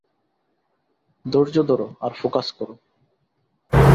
ধৈর্য্য ধরো আর ফোকাস করো।